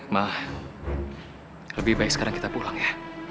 malah lebih baik sekarang kita pulang ya